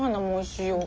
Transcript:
おいしい。